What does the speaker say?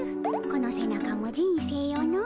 この背中も人生よの。